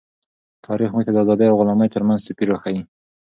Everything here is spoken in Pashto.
تاریخ موږ ته د آزادۍ او غلامۍ ترمنځ توپیر راښيي.